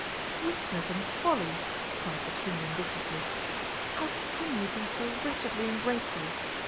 "Weakness and folly!" cried the Queen indignantly. "How can you be so wretchedly ungrateful?